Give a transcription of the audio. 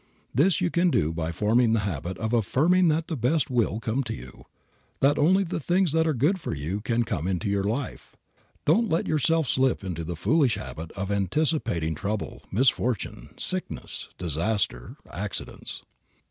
This you can do by forming the habit of affirming that the best will come to you, that only the things that are good for you can come into your life. Don't let yourself slip into the foolish habit of anticipating trouble, misfortune, sickness, disaster, accidents.